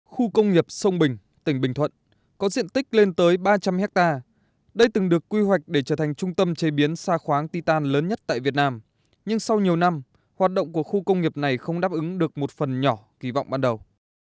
khu công nghiệp sông bình tỉnh bình thuận có diện tích lên tới ba trăm linh hectare đây từng được quy hoạch để trở thành trung tâm chế biến xa khoáng ti tàn lớn nhất tại việt nam nhưng sau nhiều năm hoạt động của khu công nghiệp này không đáp ứng được một phần nhỏ kỳ vọng ban đầu